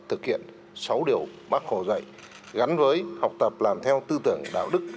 thực hiện sáu điều bác hồ dạy gắn với học tập làm theo tư tưởng đạo đức